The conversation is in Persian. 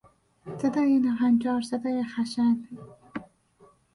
صدای ناهنجار، صدای خشن